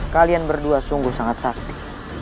kalian berdua sungguh sangat sakti